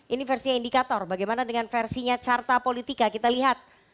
ini versinya indikator bagaimana dengan versinya carta politika kita lihat